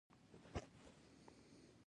ستالین ته وفاداران له واکونو برخمن وو.